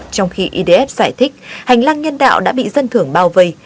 trong khi idf giải thích hành lang nhân đạo đã bị dân thưởng bao vây